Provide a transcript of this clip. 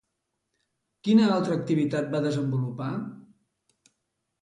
Quina altra activitat va desenvolupar?